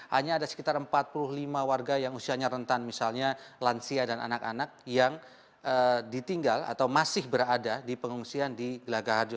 hanya ada sekitar empat puluh lima warga yang usianya rentan misalnya lansia dan anak anak yang ditinggal atau masih berada di pengungsian di gelaga harjo